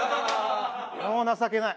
もう情けない！